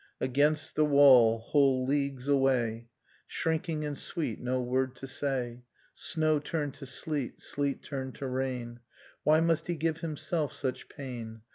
Against the vv^all, whole leagues av/ay, Shrinking and sweet, no word to say ... Snow turned to sleet, sleet turned to rain. Why must he give himself such pain?